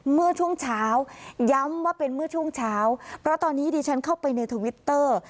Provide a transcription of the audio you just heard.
เมื่อช่วงเช้าย้ำว่าเป็นเมื่อช่วงเช้าเพราะตอนนี้ดิฉันเข้าไปในทวิตเตอร์